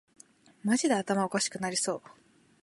マジで頭おかしくなりそう